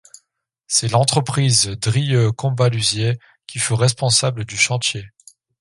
C’est l’entreprise Drieux-Combaluzier, qui fut responsable du chantier.